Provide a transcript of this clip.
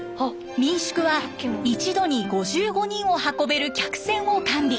民宿は一度に５５人を運べる客船を完備。